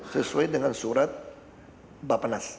sesuai dengan surat bapak nas